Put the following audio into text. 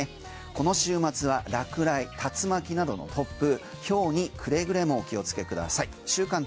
この週末は落雷、竜巻などの突風、ひょうにくれぐれもお気をつけください。